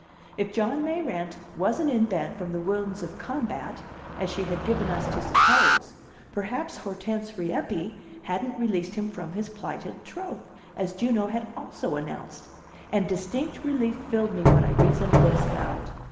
If John Mayrant wasn't in bed from the wounds of combat, as she had given us to suppose, perhaps Hortense Rieppe hadn't released him from his plighted troth, as Juno had also announced; and distinct relief filled me when I reasoned this out.